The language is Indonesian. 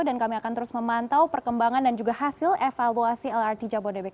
dan kami akan terus memantau perkembangan dan juga hasil evaluasi lrt jabodetabek